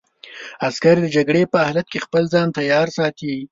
عسکر د جګړې په هر حالت کې خپل ځان تیار ساتي.